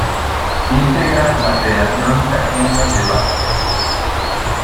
Integra la Federación Chaqueña de Básquetbol.